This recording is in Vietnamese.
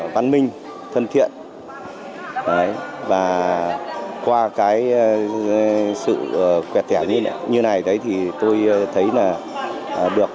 văn minh thân thiện và qua cái sự quét thẻ như thế này thì tôi thấy là được